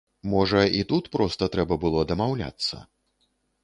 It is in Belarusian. Можа, і тут проста трэба было дамаўляцца?